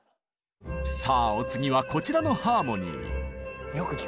さあお次はこちらのハーモニー。